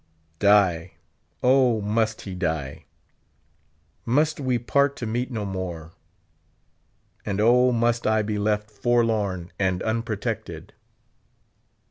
Die ! O, must he die ! Must we part to meep; no more ! And O, must I be left forlorn and unprotected